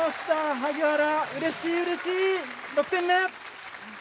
萩原うれしいうれしい６点目！